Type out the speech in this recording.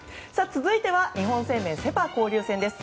続いては日本生命セ・パ交流戦です。